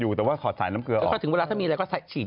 ดูนะได้ดูรายการไหม